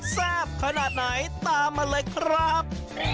แซ่บขนาดไหนตามมาเลยครับ